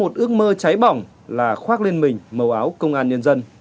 một ước mơ cháy bỏng là khoác lên mình màu áo công an nhân dân